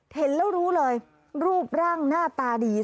เห็นแล้วรู้เลยรูปร่างหน้าตาดี